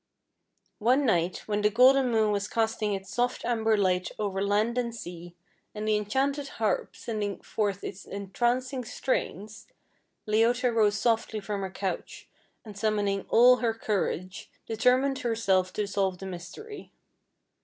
One night, when the golden moon was casting its soft amber light over land and sea, and the enchanted harp sending forth its entrancing strains, Leota rose softly from her couch, and summoning all her courage, determined herself to solve the mystery.